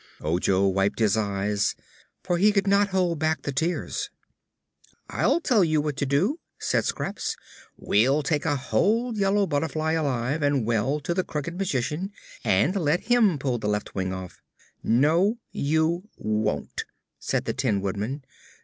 Ojo wiped his eyes, for he could not hold back the tears. "I'll tell you what to do," said Scraps. "We'll take a whole yellow butterfly, alive and well, to the Crooked Magician, and let him pull the left wing off." "No, you won't," said the Tin Woodman.